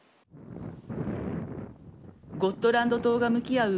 ゴットランド島が向き合う